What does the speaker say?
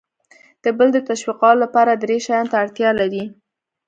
د بل د تشویقولو لپاره درې شیانو ته اړتیا لر ئ :